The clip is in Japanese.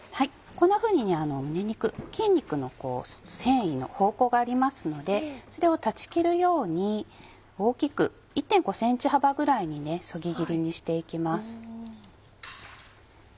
こんなふうに胸肉筋肉の繊維の方向がありますのでそれを断ち切るように大きく１．５ｃｍ幅ぐらいにそぎ切りにしていきます。